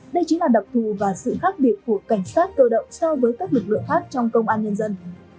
đây chính là đặc thù và sự khác biệt của cảnh sát cơ động so với các lực lượng khác trong công an nhân dân